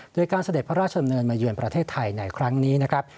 โดยการเสด็จพระราชดำเนินมาเยือนประเทศไทยในครั้งนี้นะครับ